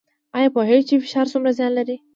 ایا پوهیږئ چې فشار څومره زیان لري؟